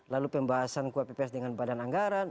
lalu pembahasan kuapps dengan badan anggaran